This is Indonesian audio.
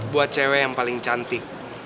buat cewek yang paling cantik